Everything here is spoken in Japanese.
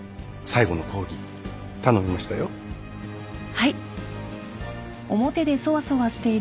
はい。